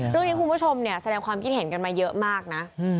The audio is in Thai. เรื่องนี้คุณผู้ชมแสดงความคิดเห็นกันมาเยอะมากนะ